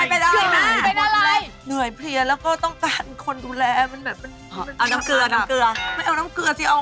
เพื่อให้คุณได้เป็นสุดยอดแม่บ้านตัวจริง